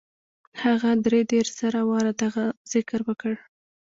هغه دري دېرش زره واره دغه ذکر وکړ.